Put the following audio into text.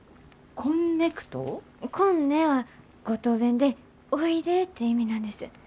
「こんね」は五島弁でおいでって意味なんです。